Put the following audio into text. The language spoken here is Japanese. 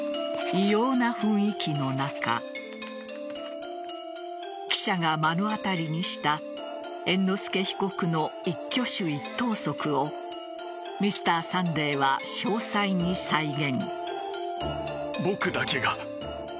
異様な雰囲気の中記者が目の当たりにした猿之助被告の一挙手一投足を「Ｍｒ．サンデー」は詳細に再現。